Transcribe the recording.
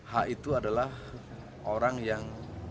h itu adalah orang yang